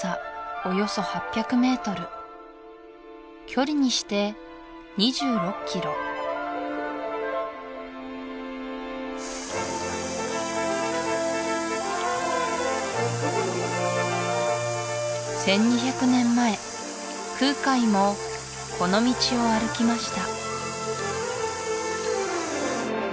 およそ８００メートル距離にして２６キロ１２００年前空海もこの道を歩きました